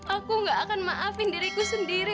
aku gak akan maafin diriku sendiri